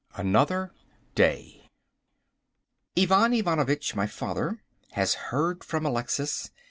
Another Day. Ivan Ivanovitch, my father, has heard from Alexis.